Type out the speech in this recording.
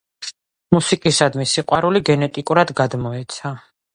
მუსიკისადმი სიყვარული გენეტიკურად გადმოეცა.